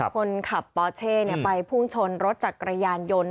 คนขับปอเช่ไปพุ่งชนรถจักรยานยนต์